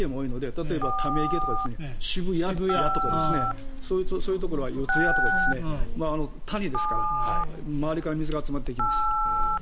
溜池とか渋谷とかそういうところは四谷とか、谷ですから周りから水が集まってきます。